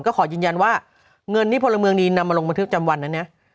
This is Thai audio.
ก็ขอยืนยันว่าเงินที่พลเมืองดีนำมาลงบันทึกจำวันนั้นนะ